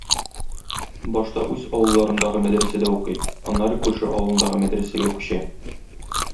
Башта үз авылларындагы мәдрәсәдә укый, аннары күрше авылындагы мәдрәсәгә күчә.